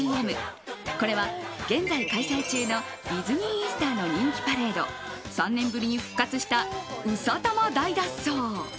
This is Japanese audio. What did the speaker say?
これは現在開催中のディズニー・イースターの人気パレード３年ぶりに復活したうさたま大脱走！